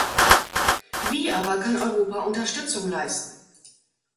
Wie aber kann Europa Unterstützung leisten?